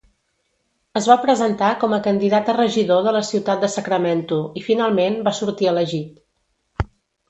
Es va presentar com a candidat a regidor de la ciutat de Sacramento i finalment va sortir elegit.